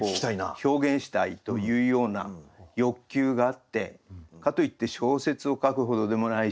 表現したいというような欲求があってかといって小説を書くほどでもないし。